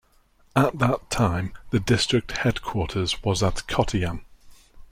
At that time, the district headquarters was at Kottayam.